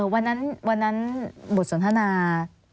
วันนั้นพี่โดนบทสนทนา